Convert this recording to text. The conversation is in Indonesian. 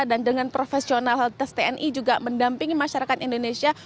dan dengan profesionalitas tni juga mendampingi masyarakat indonesia